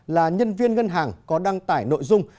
là nhân viên ngân hàng có đăng tải nội dung